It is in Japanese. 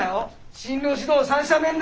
進路指導三者面談